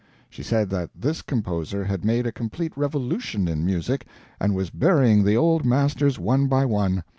She said that this composer had made a complete revolution in music and was burying the old masters one by one.